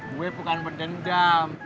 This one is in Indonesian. gue bukan berdendam